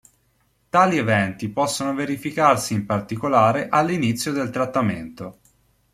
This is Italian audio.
Tali eventi possono verificarsi in particolare all'inizio del trattamento.